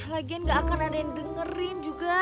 lagian gak akan ada yang dengerin juga